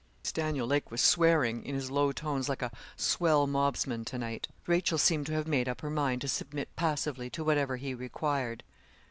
Stanley Lake was swearing, in his low tones, like a swell mobsman to night. Rachel seemed to have made up her mind to submit passively to whatever he required.